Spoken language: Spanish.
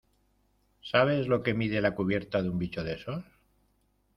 ¿ sabes lo que mide la cubierta de un bicho de esos?